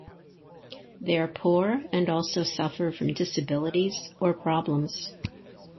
They are poor and also suffer from disabilities or problems.